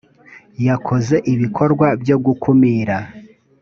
yakoze ibikorwa byo gukumira.